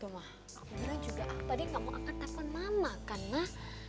tuh mah gak berani juga apa dia gak mau angkat telfon mama kan mah